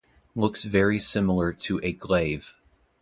Looks very similar to a glaive.